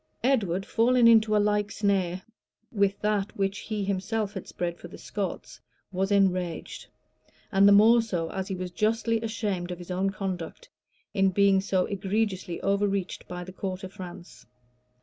Edward, fallen into a like snare with that which he himself had spread for the Scots, was enraged; and the more so, as he was justly ashamed of his own conduct, in being so egregiously overreached by the court of France.